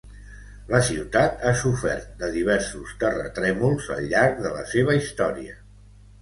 La ciutat ha sofert de diversos terratrèmols al llarg de la seva història.